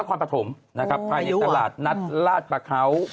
นักความประถมนะครับภายในตลาดนัดลาดประเขา